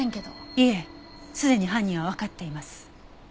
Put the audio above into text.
いえすでに犯人はわかっています。